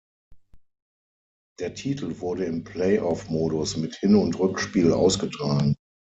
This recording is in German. Der Titel wurde im Play-off-Modus mit Hin- und Rückspiel ausgetragen.